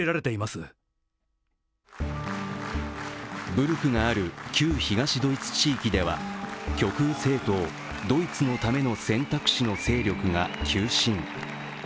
ブルクがある旧東ドイツ地域では極右政党ドイツのための選択肢の勢力が急伸。